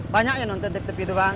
banyak yang nonton di tepi tepi itu bang